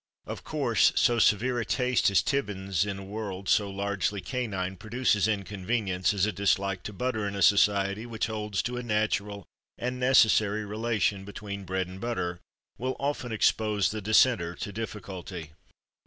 Of course so severe a taste as Tibbins's in a world so largely canine produces inconvenience, as a dislike to butter in a society which holds to a natural and necessary relation between bread and butter will often expose the dissenter to difficulty.